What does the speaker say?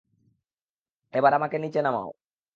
এবার আমাকে নিচে নামাও!